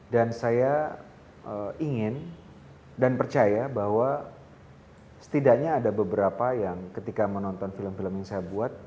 dan saya ingin dan percaya bahwa setidaknya ada beberapa yang ketika menonton film film yang saya buat